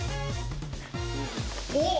おっ！